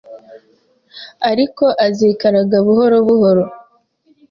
ariko azikaraga buhoro buhoro